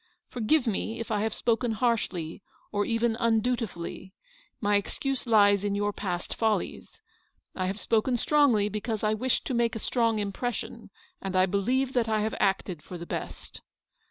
" Forgive me if I have spoken harshly, or even undutifully; my excuse lies in your past follies. I have spoken strongly because I wished to make a strong impression, and I believe that I have acted for the best.